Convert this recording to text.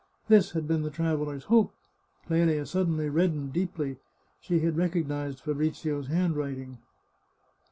This had been the traveller's hope. Clelia suddenly reddened deeply ; she had recognised Fabrizio's handwriting.